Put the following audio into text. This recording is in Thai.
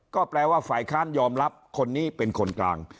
ก็แปลว่าฝ่ายค้านยอมรับคนนี้เป็นคนกลาง